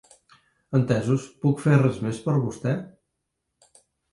Entesos, puc fer res més per vostè?